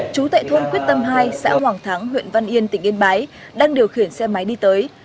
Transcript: chú tại thôn quyết tâm hai xã hoàng thắng huyện văn yên tỉnh yên bái đang điều khiển xe máy đi tới